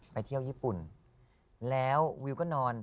ไปเที่ยวญี่ปุ่นแล้ววิวก็นอน